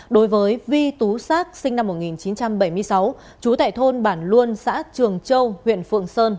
đối với vi tú xác sinh năm một nghìn chín trăm bảy mươi sáu trú tại thôn bản luôn xã trường châu huyện phượng sơn